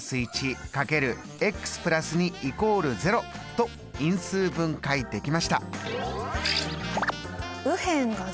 と因数分解できました。